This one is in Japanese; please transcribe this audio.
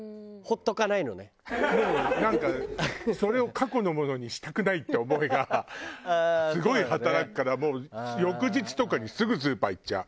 もうなんかそれを過去のものにしたくないって思いがすごい働くからもう翌日とかにすぐスーパー行っちゃう。